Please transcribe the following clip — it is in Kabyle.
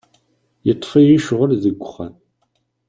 Yeṭṭef-iyi ccɣel deg wexxam.